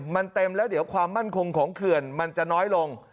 มันเต็มแล้วเดี๋ยวความมั่นคงของเขื่อนมันจะน้อยลง